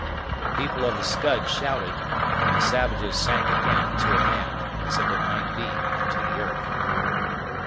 The people of the Scud shouted, and the savages sank again, to a man, as if it might be into the earth.